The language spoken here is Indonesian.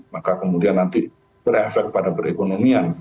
maka kemudian nanti berefek pada perekonomian